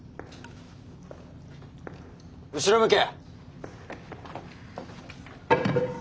後ろ向け。